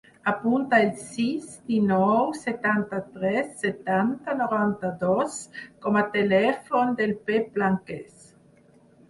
Apunta el sis, dinou, setanta-tres, setanta, noranta-dos com a telèfon del Pep Blanquez.